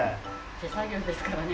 手作業ですからね。